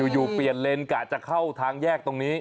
อยู่เปลี่ยนเลนส์กะจะเข้าทางแยกตรงนี้